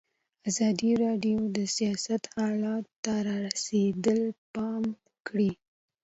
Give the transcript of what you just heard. ازادي راډیو د سیاست حالت ته رسېدلي پام کړی.